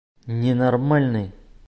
Ненормальный!